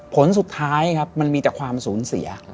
ผลสุดท้ายครับมันมีแต่ความสูญเสีย